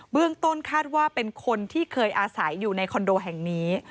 เรื่องต้นคาดว่าเป็นคนที่เคยอาศัยอยู่ในคอนโดแห่งนี้